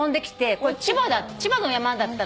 これ千葉の山だったんだけど。